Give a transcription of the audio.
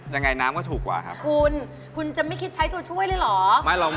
ยังไงน้ำก็ถูกกว่าครับคุณคุณจะไม่คิดใช้ตัวช่วยเลยเหรอไม่เรามา